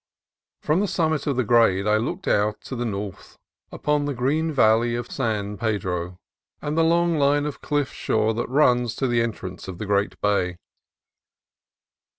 From the summit of the grade I looked out to the north upon the green valley of San Pedro and the long line of cliff shore that runs to the entrance of the great bay.